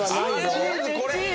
チーズこれ。